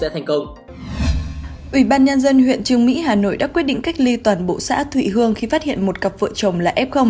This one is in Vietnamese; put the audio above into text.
hà nội đã quyết định cách ly toàn bộ xã thụy hương khi phát hiện một cặp vợ chồng là f